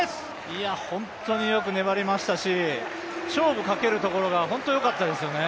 いや本当によく粘りましたし、勝負かけるところが本当よかったですよね。